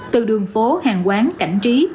từ đường phố hàng quán cảnh trí